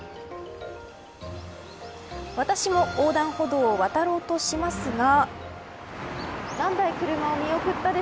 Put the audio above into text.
私も横断歩道を渡ろうとしますが。